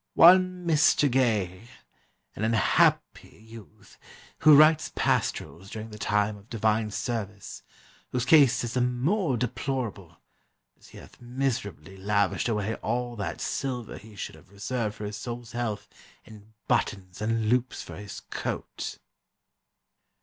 "'One Mr. Gay, an unhappy youth, who writes pastorals during the time of divine service; whose case is the more deplorable, as he hath miserably lavished away all that silver he should have reserved for his soul's health in buttons and loops for his coat.